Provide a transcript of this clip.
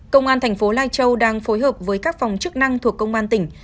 công an thành phố lai châu đang phối hợp với các phòng chức năng thuộc công an tỉnh